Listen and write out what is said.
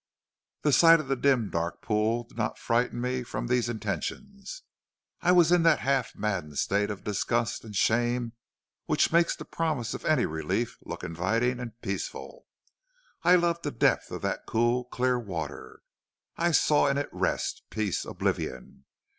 "The sight of the dim, dark pool did not frighten me from these intentions. I was in that half maddened state of disgust and shame which makes the promise of any relief look inviting and peaceful. I loved the depth of that cool, clear water. I saw in it rest, peace, oblivion.